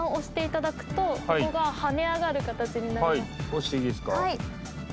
押していいですか。